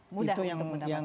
mudah untuk mendapatkan